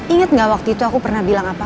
ingat gak waktu itu aku pernah bilang apa